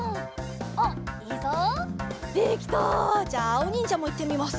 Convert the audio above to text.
おにんじゃもいってみます。